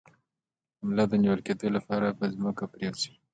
د ملا د نیول کیدو لپاره په ځمکه پریوځئ